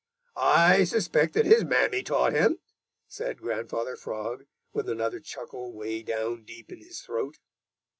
"I suspect that his mammy taught him," said Grandfather Frog, with another chuckle way down deep in his throat.